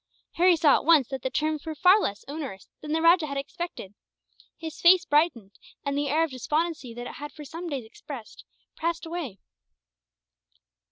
Harry saw, at once, that the terms were far less onerous than the rajah had expected; for his face brightened, and the air of despondency that it had for some days expressed passed away.